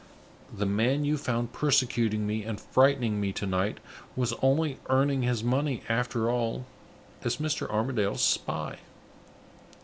The man you found persecuting me and frightening me to night was only earning his money, after all, as Mr. Armadale's spy."